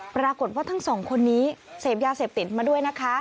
ปรากฏว่าทั้งสองคนนี้เสพยาเสพติดมาด้วยนะคะ